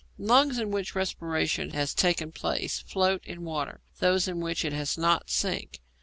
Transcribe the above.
Lungs in which respiration has taken place float in water; those in which it has not, sink.